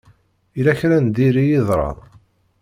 Yella kra n diri i yeḍṛan?